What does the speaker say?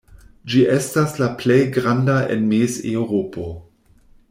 Ĝi estas la plej granda en Mez-Eŭropo.